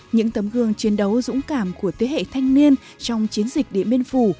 những tấm gương chiến đấu dũng cảm của thế hệ thanh niên trong chiến dịch điện biên phủ